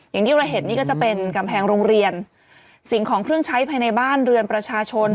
อย่างที่เราเห็นนี่ก็จะเป็นกำแพงโรงเรียนสิ่งของเครื่องใช้ภายในบ้านเรือนประชาชน